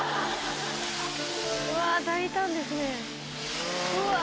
・うわ大胆ですね・・うわ！